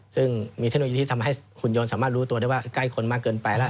ซึ่งมีเทคโนโลยีที่ทำให้หุ่นยนต์สามารถรู้ตัวได้ว่าใกล้คนมากเกินไปแล้ว